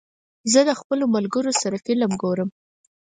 زه د خپلو ملګرو سره فلم ګورم.